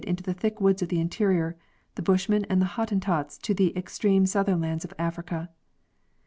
* 17 to the thick woods of the interior, the Bushmen and the Hotten tots to the extreme southern lands of Africa.